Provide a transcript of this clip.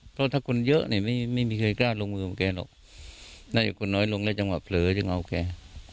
เพราะถ้าคนเยอะเนี่ยไม่มีใครกล้าลงมือของแกหรอกน่าจะคนน้อยลงแล้วจังหวะเผลอจึงเอาแก